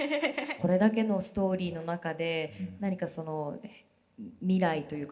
これだけのストーリーの中で何かその未来というか平和の象徴でもある